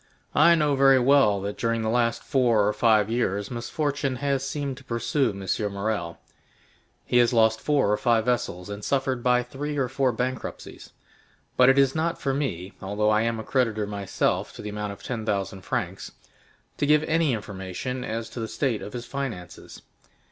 "I know very well that during the last four or five years misfortune has seemed to pursue M. Morrel. He has lost four or five vessels, and suffered by three or four bankruptcies; but it is not for me, although I am a creditor myself to the amount of ten thousand francs, to give any information as to the state of his finances.